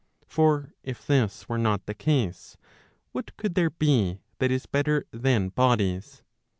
For if this were not the case, what could there be that is better than bodies